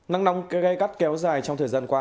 nắng nóng gây gắt kéo dài trong thời gian qua